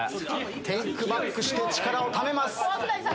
テイクバックして力をためます。